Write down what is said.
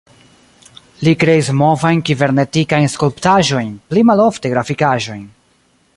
Li kreis movajn-kibernerikajn skulptaĵojn, pli malofte grafikaĵojn.